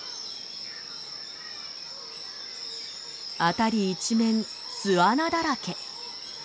辺り一面巣穴だらけ。